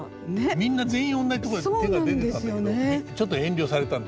みんな全員おんなじとこへ手が出てたけれどちょっと遠慮されたんで。